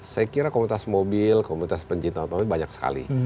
saya kira komunitas mobil komunitas pencinta mobil banyak sekali